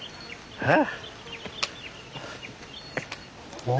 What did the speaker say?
えっ。